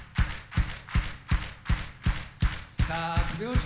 さあ手拍子